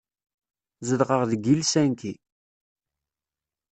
Zedɣeɣ deg Helsinki.